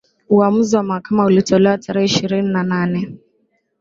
uamuzi wa mahakama ulitolewa tarehe ishirini na nane